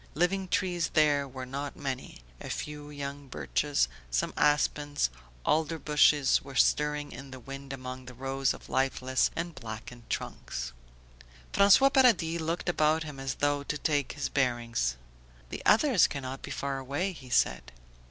Living trees there were not many; a few young birches, some aspens, alder bushes were stirring in the wind among the rows of lifeless and blackened trunks. François Paradis looked about him as though to take his bearings. "The others cannot be far away," he said.